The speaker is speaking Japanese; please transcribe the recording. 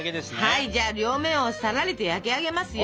はいじゃあ両面をさらりと焼き上げますよ。